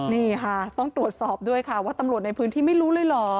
นี่ค่ะต้องตรวจสอบด้วยค่ะว่าตำรวจในพื้นที่ไม่รู้เลยเหรอ